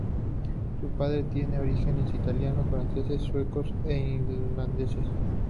Su padre tiene orígenes italianos, franceses, suecos e irlandeses.